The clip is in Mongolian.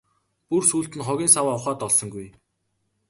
Бүр сүүлд нь хогийн саваа ухаад олсонгүй.